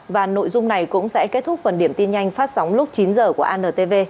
và nội dung này cũng sẽ kết thúc phần điểm tin nhanh phát sóng lúc chín h của antv